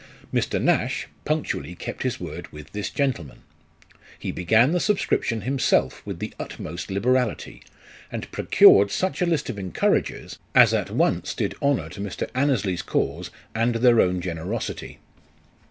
Mr. Nash punctually kept his word with this gentleman. He began the subscription himself with the utmost liberality, and procured such a list of encouragers, as at once did honour to Mr. Annesley's cause, and their own generosity.